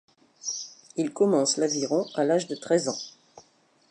Il commence l'aviron à l'âge de treize ans.